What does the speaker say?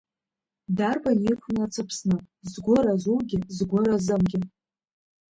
Дарбан иқәымлац Аԥсны, згәы разугьы, згәы разымгьы!